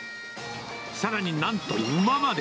さらに、なんと馬まで。